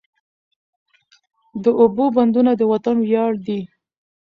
د اوبو بندونه د وطن ویاړ دی.